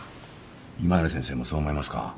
今成先生もそう思いますか？